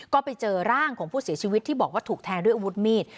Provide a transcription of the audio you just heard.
ก็ไปเจอร่างของผู้เสียชีวิตที่บอกว่าถูกแทงด้วยอาวุธมีด